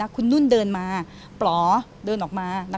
คุณนุ่นเดินมาปลอเดินออกมา